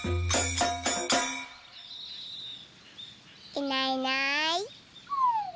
いないいない。